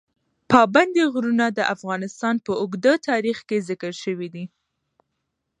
پابندی غرونه د افغانستان په اوږده تاریخ کې ذکر شوی دی.